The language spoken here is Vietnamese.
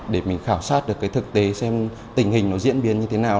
để mình khảo sát được cái thực tế xem tình hình nó diễn biến như thế nào